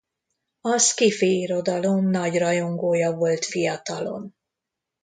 A sci-fi irodalom nagy rajongója volt fiatalon.